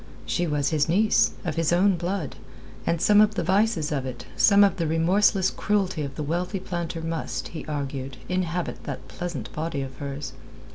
She was his niece, of his own blood, and some of the vices of it, some of the remorseless cruelty of the wealthy planter must, he argued, inhabit that pleasant body of hers.